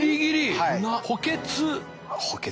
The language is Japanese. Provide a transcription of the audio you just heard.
補欠。